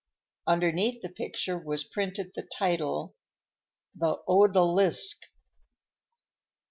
Underneath the picture was printed the title, "The Odalisque."